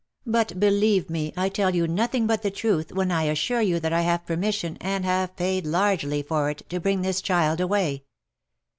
But believe me, I tell you nothing but the truth when I assure you that I have permis sion, and have paid largely for it, to bring this child away.